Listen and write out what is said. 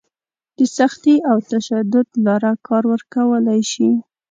د سختي او تشدد لاره کار ورکولی شي.